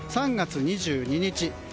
３月２２日。